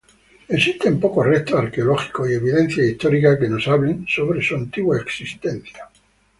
Existen pocos restos arqueológicos y evidencias históricas que nos hablen sobre su antigua existencia.